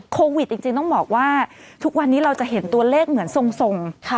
โควิดจริงต้องบอกว่าทุกวันนี้เราจะเห็นตัวเลขเหมือนทรง